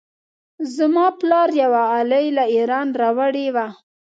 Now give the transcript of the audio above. زما پلار یوه غالۍ له ایران راوړې وه.